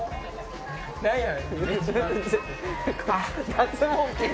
何や？